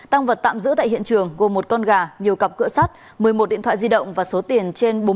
tăng vật tạm giữ tại hiện trường gồm một con gà nhiều cặp cửa sắt một mươi một điện thoại di động và số tiền trên bốn trăm linh triệu